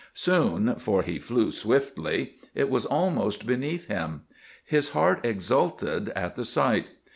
Soon—for he flew swiftly—it was almost beneath him. His heart exulted at the sight.